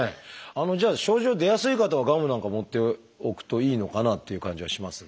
症状出やすい方はガムなんか持っておくといいのかなっていう感じはしますが。